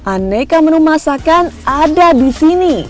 aneka menu masakan ada disini